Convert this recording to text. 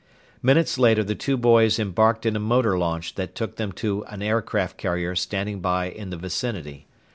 Minutes later, the two boys embarked in a motor launch that took them to an aircraft carrier standing by in the vicinity.